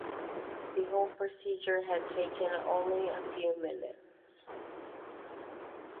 The whole procedure had taken only a few minutes.